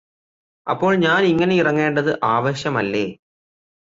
അപ്പോൾ ഞാന് ഇങ്ങനെ ഇറങ്ങേണ്ടത് ആവശ്യമല്ലേ